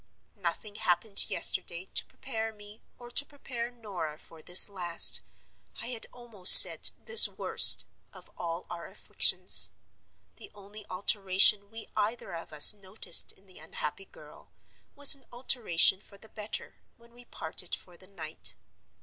"Nothing happened yesterday to prepare me or to prepare Norah for this last—I had almost said, this worst—of all our afflictions. The only alteration we either of us noticed in the unhappy girl was an alteration for the better when we parted for the night.